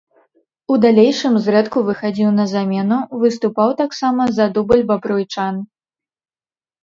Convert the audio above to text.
У далейшым зрэдку выхадзіў на замену, выступаў таксама за дубль бабруйчан.